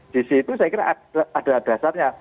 di situ saya kira ada dasarnya